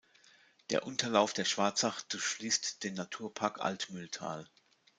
Der Unterlauf der Schwarzach durchfließt den Naturpark Altmühltal.